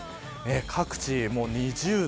各地もう２０度。